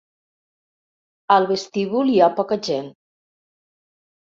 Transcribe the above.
Al vestíbul hi ha poca gent.